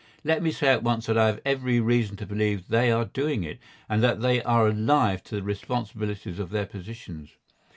Let me say at once that I have every reason to believe they are doing it, and that they are alive to the responsibilities of their positions.